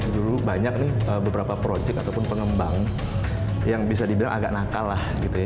dulu banyak nih beberapa project ataupun pengembang yang bisa dibilang agak nakal lah gitu ya